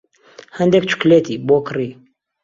هەندێک چوکلێتی بۆ کڕی.